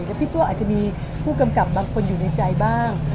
แล้วพี่ตัวอาจจะมีผู้กำกับบางคนอยู่ในใจบ้าง